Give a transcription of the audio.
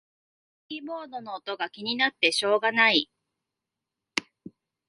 キーボードの音が気になってしょうがない